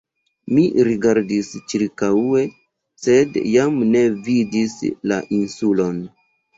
Mi rigardis ĉirkaŭe, sed jam ne vidis la Insulon.